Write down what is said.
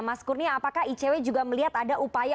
mas kurnia apakah icw juga melihat ada upaya